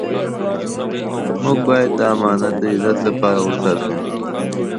موږ باید دا امانت د عزت سره وساتو.